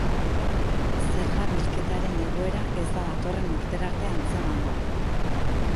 Zerga bilketaren igoera ez da datorren urterarte antzemango.